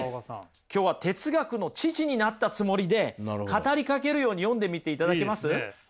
今日は哲学の父になったつもりで語りかけるように読んでみていただけます？